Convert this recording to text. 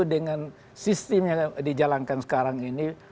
dengan sistem yang dijalankan sekarang ini